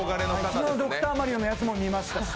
昨日「ドクターマリオ」のやつも見ましたし。